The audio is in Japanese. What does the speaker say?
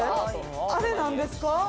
アレなんですか？